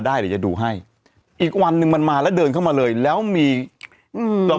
เดี๋ยวจะดูให้อีกวันหนึ่งมันมาแล้วเดินเข้ามาเลยแล้วมีอืมเรา